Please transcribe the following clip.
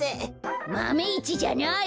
マメ１じゃない！